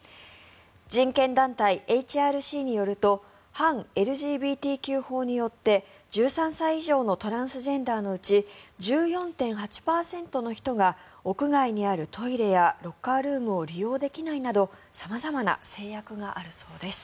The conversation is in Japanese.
人権団体ＨＲＣによると反ＬＧＢＴＱ法によって１３歳以上のトランスジェンダーのうち１４．８％の人が屋外にあるトイレやロッカールームを利用できないなど様々な制約があるそうです。